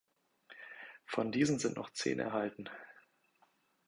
Von diesen sind noch zehn erhalten.